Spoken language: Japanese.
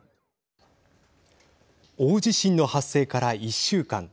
大地震の発生から１週間。